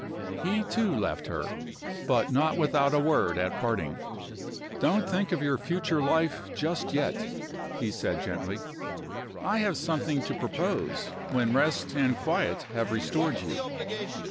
He, too, left her but not without a word at parting. "Don't think of your future life just yet," he said, gently. "I have something to propose when rest and quiet have restored you."